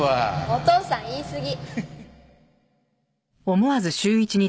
お父さん言いすぎ。